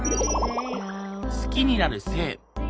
好きになる性。